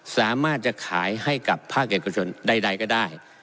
สามารถจะขายให้กับภาคเอกชนใดก็ได้